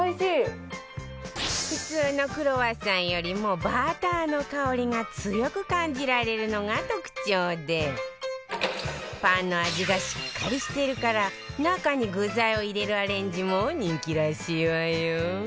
普通のクロワッサンよりもバターの香りが強く感じられるのが特徴でパンの味がしっかりしているから中に具材を入れるアレンジも人気らしいわよ